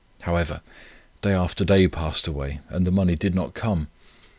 However, day after day passed away, and the money did not come.